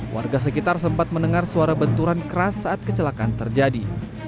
warga sekitar sempat mendengar suara benturan keras saat kecelakaan terjadi